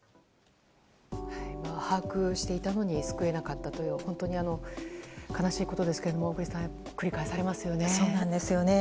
把握していたのに救えなかったという本当に悲しいことですが小栗さん繰り返されますよね。